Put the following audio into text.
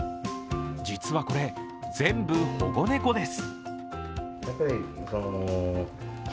実はこれ全部、保護猫です。